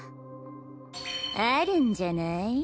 あるんじゃない？